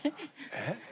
えっ？